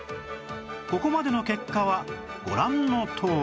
ここまでの結果はご覧のとおり